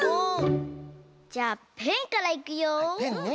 じゃあペンからいくよ！